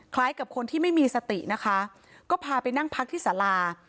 กับคนที่ไม่มีสตินะคะก็พาไปนั่งพักที่สารา